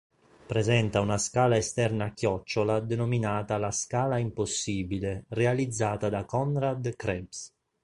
Presenta una scala esterna a chiocciola denominata la "scala impossibile" realizzata da Konrad Krebs.